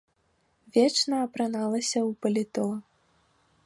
Вечна апраналася ў паліто.